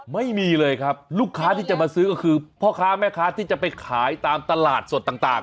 ไม่มีเลยครับลูกค้าที่จะมาซื้อก็คือพ่อค้าแม่ค้าที่จะไปขายตามตลาดสดต่าง